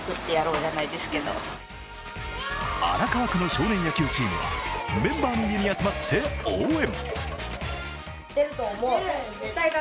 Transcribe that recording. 荒川区の少年野球チームはメンバーの家に集まって応援。